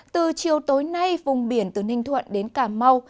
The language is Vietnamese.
từ chiều tối nay vùng biển từ ninh thuận đến cà mau